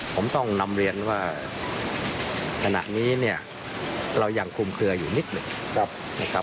ผมต้องนำเรียนว่าขณะนี้เนี่ยเรายังคุมเคลืออยู่นิดหนึ่งนะครับ